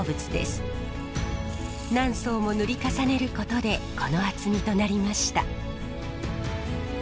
何層も塗り重ねることでこの厚みとなりました。